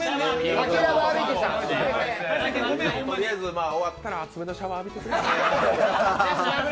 とりあえず終わったら熱めのシャワー浴びてください。